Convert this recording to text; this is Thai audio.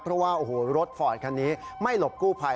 เพราะว่ารถฟอร์ตคันนี้ไม่หลบกู้ไภ